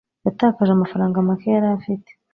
yatakaje amafaranga make yari afite